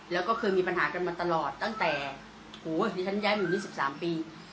แล้วก็คือมีปัญหากันมาตลอดตั้งแต่โหเดี๋ยวฉันย้ายหมู่นี่สิบสามปี